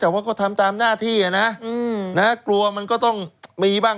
แต่ว่าก็ทำตามหน้าที่อ่ะนะกลัวมันก็ต้องมีบ้าง